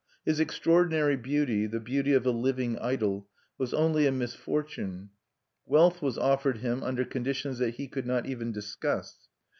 His extraordinary beauty the beauty of a living idol was only a misfortune. Wealth was offered him under conditions that he could not even discuss.